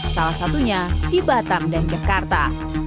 salah satunya di batam dan jakarta